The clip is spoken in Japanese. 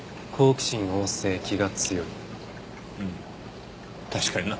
うん確かにな。